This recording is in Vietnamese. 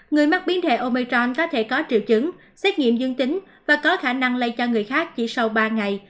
người mắc biến thể omechon có thể có triệu chứng xét nghiệm dương tính và có khả năng lây cho người khác chỉ sau ba ngày